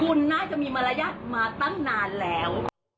คุณน่าจะมีมารยาทมาตั้งนานแล้ว